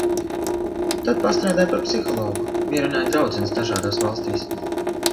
Tad pastrādāju par psihologu - mierināju draudzenes dažādas valstīs.